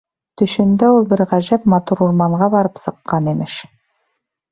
Төшөндә ул бер ғәжәп матур урманға барып сыҡҡан, имеш.